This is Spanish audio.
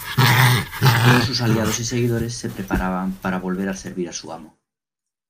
Todos sus aliados y seguidores se preparaban para volver a servir a su amo.